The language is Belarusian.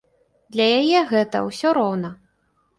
Для яе гэта ўсё роўна.